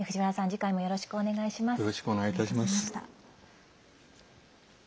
次回もよろしくお願いします。